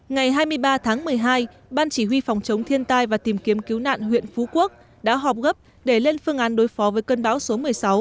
ngày hai mươi ba tháng một mươi hai ban chỉ huy phòng chống thiên tai và tìm kiếm cứu nạn huyện phú quốc đã họp gấp để lên phương án đối phó với cơn bão số một mươi sáu